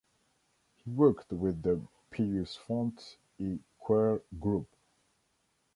He worked with the Pius Font i Quer group.